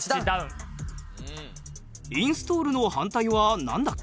インストールの反対はなんだっけ？